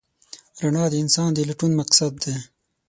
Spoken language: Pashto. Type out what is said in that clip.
رڼا د انسان د لټون مقصد دی.